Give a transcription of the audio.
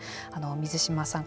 水島さん